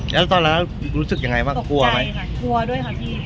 แล้วตอนนั้นรู้สึกยังไงบ้างก็กลัวไหมใช่ค่ะกลัวด้วยค่ะพี่